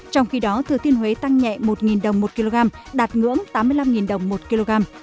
trong khi đó thừa thiên huế tăng nhẹ một đồng một kg đạt ngưỡng tám mươi năm đồng một kg